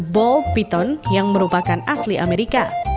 ball piton yang merupakan asli amerika